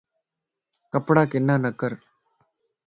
ڪپڙا ڪنا نڪر